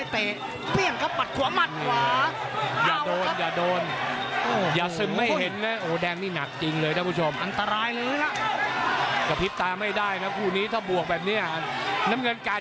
แต่เกก็นิ่งดีเลยสู้ไม่สกบหลาน่า